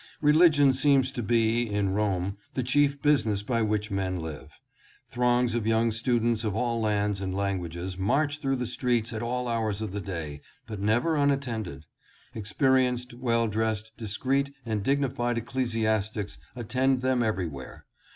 Religion seems to be in Rome the chief business by which men live. Throngs of young students of all lands and languages march through the streets at all hours of the day, but never unattended. Experienced, well dressed, discreet and dignified ecclesiastics attend them everywhere.